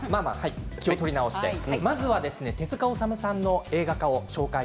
気を取り直してまずは手塚治虫さんの映画化です。